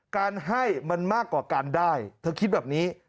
การให้มันมากกว่าการได้เธอคิดแบบนี้